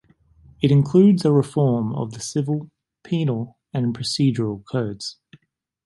It includes a reform of the civil, penal, and procedural codes.